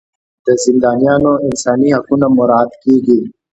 د زندانیانو انساني حقونه مراعات کیږي.